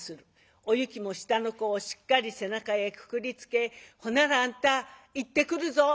おゆきも下の子をしっかり背中へくくりつけ「ほならあんた行ってくるぞ」。